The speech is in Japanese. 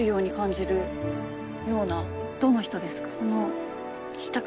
どの人ですか？